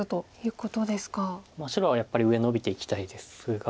白はやっぱり上ノビていきたいですが。